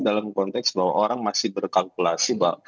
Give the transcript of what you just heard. dalam konteks bahwa orang masih berkalkulasi bahwa